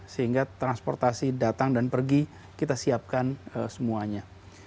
sehingga transportasi datang dan pergi kita siapkan semuanya